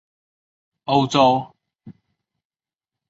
欧洲常见的西多士主要使用法国面包制作。